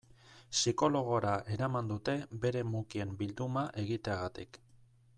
Psikologora eraman dute bere mukien bilduma egiteagatik.